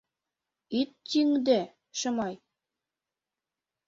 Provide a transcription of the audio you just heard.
— Ит тӱҥдӧ, Шымай.